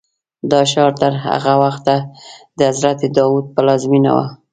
دا ښار تر هغه وخته د حضرت داود پلازمینه وه.